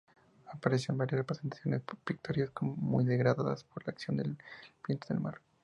Aparecen varias representaciones pictóricas muy degradadas por la acción del viento del mar.